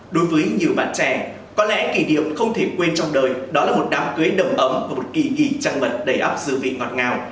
đối với nhiều bạn trẻ có lẽ kỷ niệm không thể quên trong đời đó là một đám cưới đầm ấm và một kỳ nghỉ trang mật đầy ốc dư vị ngọt ngào